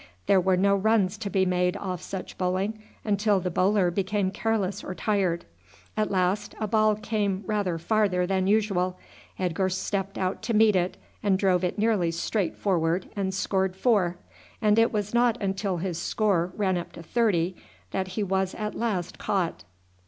There were no runs to be made off such bowling until the bowler became careless or tired. At last a ball came rather farther than usual. Edgar stepped out to meet it, and drove it nearly straight forward and scored four, and it was not until his score ran up to thirty that he was at last caught.